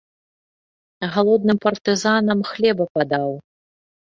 Галодным партызанам хлеба падаў.